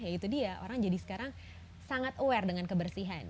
ya itu dia orang jadi sekarang sangat aware dengan kebersihan